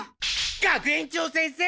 学園長先生！